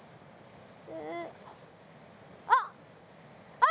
あっ！